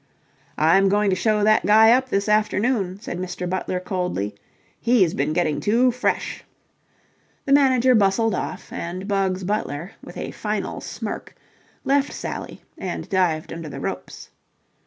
"I'm going to show that guy up this afternoon," said Mr. Butler coldly. "He's been getting too fresh." The manager bustled off, and Bugs Butler, with a final smirk, left Sally and dived under the ropes.